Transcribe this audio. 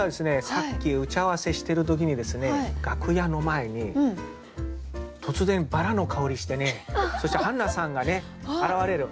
さっき打ち合わせしてる時にですね楽屋の前に突然バラの香りしてねそしてハンナさんがね現れる。